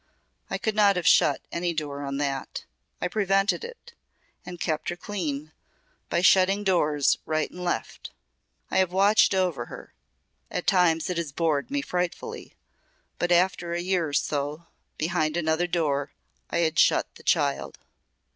I could not have shut any door on that. I prevented it and kept her clean by shutting doors right and left. I have watched over her. At times it has bored me frightfully. But after a year or so behind another door I had shut the child."